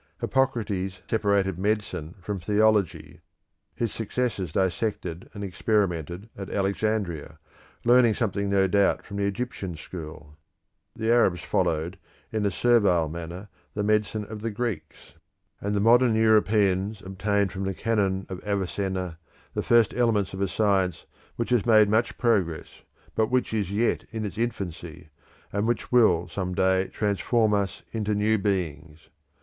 Hippocrates separated medicine from theology; his successors dissected and experimented at Alexandria, learning something no doubt from the Egyptian school; the Arabs followed in a servile manner the medicine of the Greeks, and the modern Europeans obtained from the Canon of Avicenna the first elements of a science which has made much progress, but which is yet in its infancy, and which will some day transform us into new beings.